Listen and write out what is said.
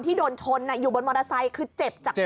โดนชนอยู่บนมอเตอร์ไซค์คือเจ็บจาก